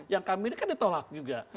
yang kami ini kan ditolak juga